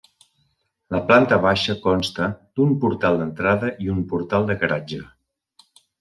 La planta baixa consta d'un portal d'entrada i un portal de garatge.